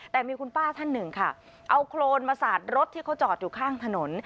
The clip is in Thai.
แต่มีคุณป้าท่านหนึ่งค่ะเอาโครนมาสาดรถที่เขาจอดอยู่ข้างถนน